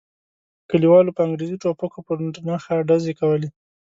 کلیوالو په انګریزي ټوپکو پر نښه ډزې کولې.